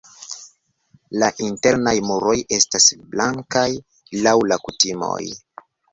La internaj muroj estas blankaj laŭ la kutimoj.